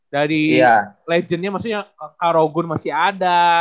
dari legendnya maksudnya karo gun masih ada